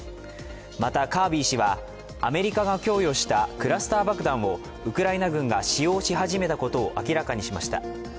また、カービー氏はアメリカが供与したクラスター爆弾をウクライナ軍が使用し始めたことを明らかにしました。